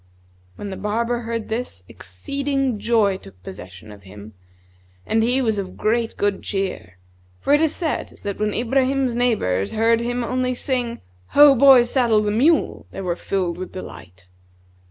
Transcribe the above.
When the barber heard this, exceeding joy took possession of him. and he was of great good cheer; for it is said that when Ibrahim's neighbours heard him only sing out, 'Ho, boy, saddle the mule!' they were filled with delight.